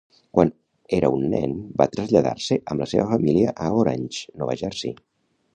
Quan era un nen, va traslladar-se amb la seva família a Orange, Nova Jersei.